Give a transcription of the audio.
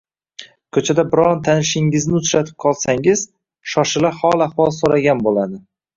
Ko‘chada biron tanishingizni uchratib qolsangiz, shoshila hol-ahvol so‘ragan bo‘ladi.